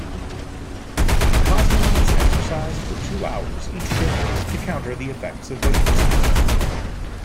The cosmonauts exercised for two hours each day to counter the effects of weightlessness.